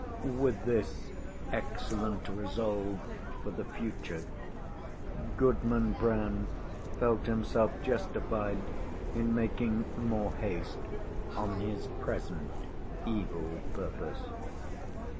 With this excellent resolve for the future, Goodman Brown felt himself justified in making more haste on his present evil purpose.